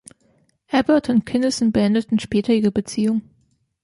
Abbott und Kinison beendeten später ihre Beziehung.